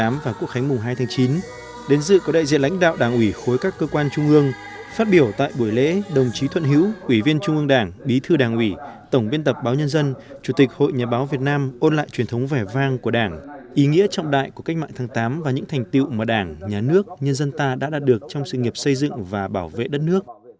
sáng ngày một mươi chín tháng tám và quốc khánh mùng hai tháng chín đến dự có đại diện lãnh đạo đảng ủy khối các cơ quan trung ương phát biểu tại buổi lễ đồng chí thuận hữu ủy viên trung ương đảng bí thư đảng ủy tổng biên tập báo nhân dân chủ tịch hội nhà báo việt nam ôn lại truyền thống vẻ vang của đảng ý nghĩa trọng đại của cách mạng tháng tám và những thành tiệu mà đảng nhà nước nhân dân ta đã đạt được trong sự nghiệp xây dựng và bảo vệ đất nước